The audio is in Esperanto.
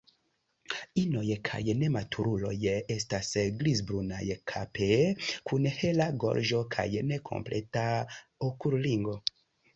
Inoj kaj nematuruloj estas grizbrunaj kape kun hela gorĝo kaj nekompleta okulringo.